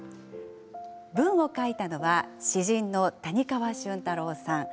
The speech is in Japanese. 文を書いたのは詩人の谷川俊太郎さん。